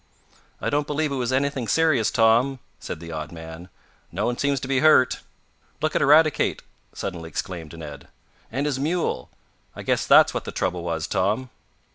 "I don't believe it was anything serious, Tom," said the odd man. "No one seems to be hurt." "Look at Eradicate!" suddenly exclaimed Ned. "And his mule! I guess that's what the trouble was, Tom!"